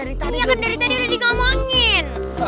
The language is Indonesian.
iya kan dari tadi udah di ngomongin